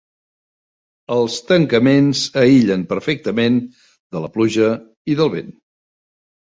Els tancaments aïllen perfectament de la pluja i del vent.